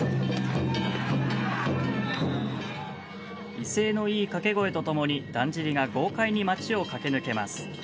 威勢のいい掛け声とともにだんじりが豪快に街を駆け抜けます。